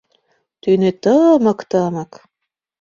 Тӱнӧ тымык-тымык.